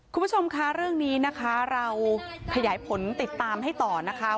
คุณผู้ชมคะเรื่องนี้นะคะเราขยายผลติดตามให้ต่อนะคะ